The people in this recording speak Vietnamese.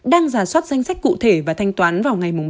đang giả soát danh sách cụ thể và thanh toán vào ngày ba tháng bốn